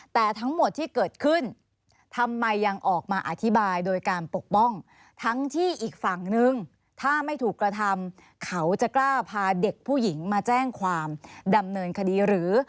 แต่ทั้งหมดที่เกิดขึ้นทำไมยังออกมาอธิบายโดยการปกป้องทั้งที่อีกฝั่งนึงถ้าไม่ถูกกระทำเขาจะกล้าพาเด็กผู้หญิงมาแจ้งความดำเนินคดีหรือ